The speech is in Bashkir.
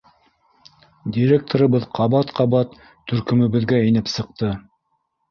Директорыбыҙ ҡабат-ҡабат төркөмөбөҙгә инеп сыҡты.